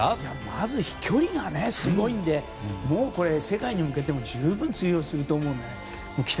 まず飛距離がすごいのでもうこれ、世界に向けても十分通用すると思うね。